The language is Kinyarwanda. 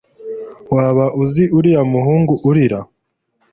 waba uzi uriya muhungu urira